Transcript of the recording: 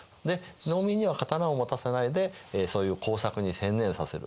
で農民には刀を持たせないでそういう耕作に専念させる。